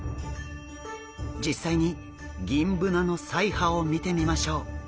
実際にギンブナの鰓耙を見てみましょう。